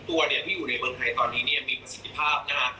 ทุกตัวที่อยู่ในเมืองไทยตอนนี้มีประสิทธิภาพ